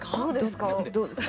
どうですか？